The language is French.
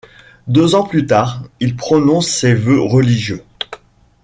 Deux ans plus tard, il prononce ses vœux religieux.